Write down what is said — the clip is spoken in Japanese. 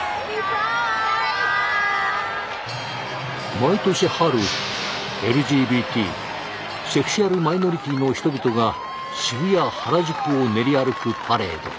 毎年春ＬＧＢＴセクシュアルマイノリティの人々が渋谷・原宿を練り歩くパレード。